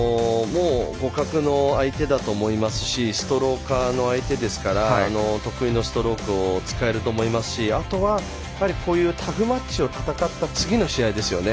互角の相手だと思いますしストローカーの相手ですから得意のストロークを使えると思いますしあとは、こういうタフマッチを戦った次の試合ですよね。